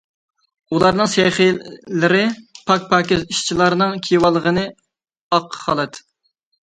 ئۇلارنىڭ سېخلىرى پاك-پاكىز، ئىشچىلارنىڭ كىيىۋالغىنى ئاق خالات.